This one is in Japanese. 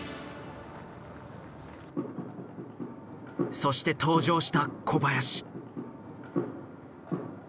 そして登場した小林。